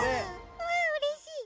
うわうれしい！